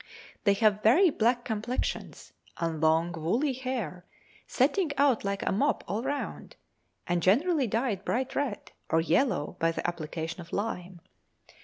They have very black complexions, and long woolly hair, setting out like a mop all round, and generally dyed bright red, or yellow by the application of lime.